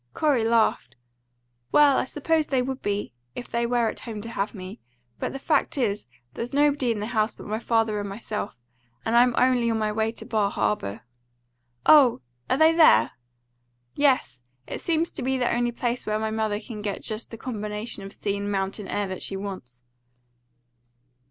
Corey laughed. "Well, I suppose they would be, if they were at home to have me. But the fact is, there's nobody in the house but my father and myself, and I'm only on my way to Bar Harbour." "Oh! Are they there?" "Yes; it seems to be the only place where my mother can get just the combination of sea and mountain air that she wants."